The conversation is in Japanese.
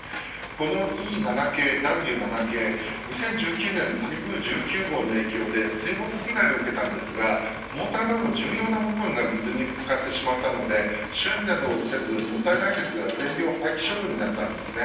このＥ７系、Ｗ７系２０１９年の台風１９号の影響で水没被害を受けたんですがモーターなど重要な部分が水につかってしまったので修理などはせずもったいないですが全両廃棄処分になったんです。